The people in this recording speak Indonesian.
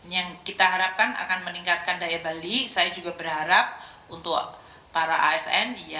yang kita harapkan akan meningkatkan daya beli saya juga berharap untuk para asn